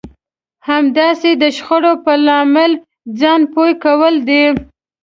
همداسې د شخړې په لامل ځان پوه کول دي.